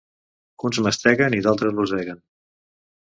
Uns masteguen i d'altres roseguen.